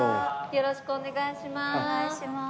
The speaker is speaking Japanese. よろしくお願いします。